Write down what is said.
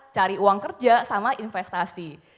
cari uang kerja sama investasi